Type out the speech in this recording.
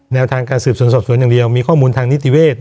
แนวทางการสืบสวนสอบสวนอย่างเดียวมีข้อมูลทางนิติเวศ